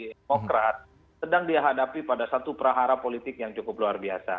demokrat sedang dihadapi pada satu prahara politik yang cukup luar biasa